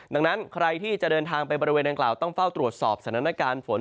ดังนั้นใครที่จะเดินทางไปบริเวณดังกล่าวต้องเฝ้าตรวจสอบสถานการณ์ฝน